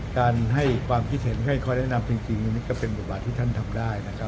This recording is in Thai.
การให้ความคิดเห็นให้ข้อแนะนำจริงนี่ก็เป็นบทบาทที่ท่านทำได้นะครับ